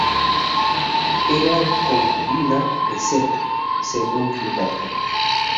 Era la concubina de Seth, según Plutarco.